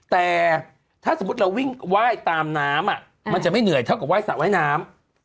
แต่ถ้าสมมุติเราวิ่งไหว้ตามน้ำมันจะไม่เหนื่อยเท่ากับว่ายสระว่ายน้ำ